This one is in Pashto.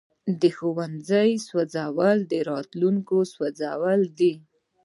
د ښوونځي سوځول راتلونکی سوځول دي.